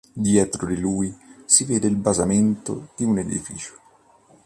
Dietro di lui, si vede il basamento di un edificio.